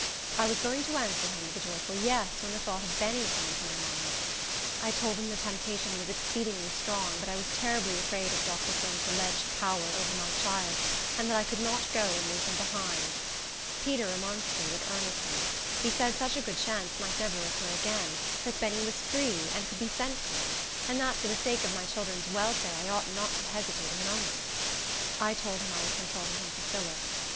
I was going to answer him with a joyful yes, when the thought of Benny came to my mind. I told him the temptation was exceedingly strong, but I was terribly afraid of Dr. Flint's alleged power over my child, and that I could not go and leave him behind. Peter remonstrated earnestly. He said such a good chance might never occur again; that Benny was free, and could be sent to me; and that for the sake of my children's welfare I ought not to hesitate a moment. I told him I would consult with uncle Phillip.